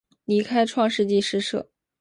离开创世纪诗社。